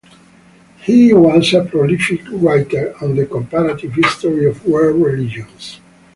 He was a prolific writer on the comparative history of world religions.